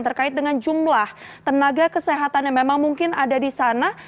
terkait dengan jumlah tenaga kesehatan yang memang mungkin ada di sana